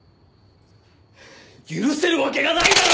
許せるわけがないだろ！